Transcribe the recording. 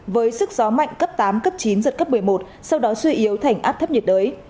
với sức gió mạnh cấp tám cấp chín giật cấp một mươi một sau đó suy yếu thành áp thấp nhiệt đới